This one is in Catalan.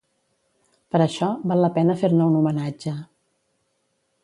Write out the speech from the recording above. Per això, val la pena fer-ne un homenatge.